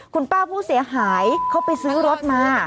คุณป้าผู้เสียหายเขาไปซื้อรถมา